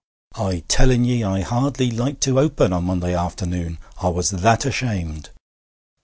I tell'n ye I hardly liked to open o' Monday afternoon, I was that ashamed!